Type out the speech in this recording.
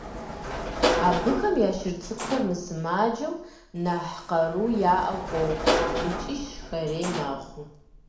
Абыхэм я шыр цӀыкӀухэр мысымаджэу, нэхъ къару яӀэу къохъу икӀи шхэрей мэхъу.